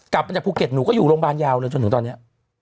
กลับมาจากภูเก็ตหนูก็อยู่โรงพยาบาลยาวเลยจนถึงตอนนี้